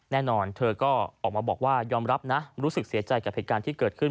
แน่นอนเธอก็ออกมาบอกว่ายอมรับนะรู้สึกเสียใจกับเหตุการณ์ที่เกิดขึ้น